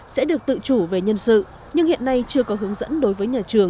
sẽ được tự chủ về nhân sự nhưng hiện nay chưa có hướng dẫn đối với nhà trường